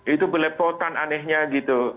itu belepotan anehnya gitu